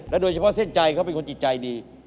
โดยเฉพาะเส้นใจเขาเป็นคนจิตใจดี